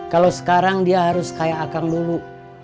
kalau sekarang dia harus kayak akang dulu